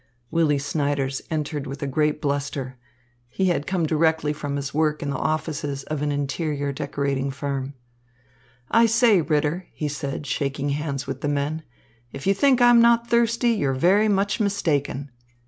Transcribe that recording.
Willy Snyders entered with a great bluster. He had come directly from his work in the offices of an interior decorating firm. "I say, Ritter," he said, shaking hands with the men, "if you think I'm not thirsty, you're very much mistaken."